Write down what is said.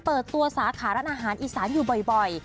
เปิดตัวสาขาร้านอาหารอีสานอยู่บ่อย